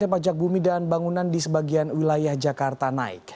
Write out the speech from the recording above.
pajak bumi dan bangunan di sebagian wilayah jakarta naik